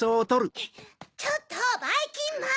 ちょっとばいきんまん！